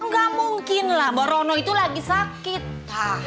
gak mungkin lah mbak rono itu lagi sakit